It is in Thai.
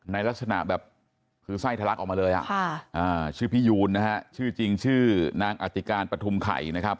ลักษณะแบบคือไส้ทะลักออกมาเลยชื่อพี่ยูนนะฮะชื่อจริงชื่อนางอธิการปฐุมไข่นะครับ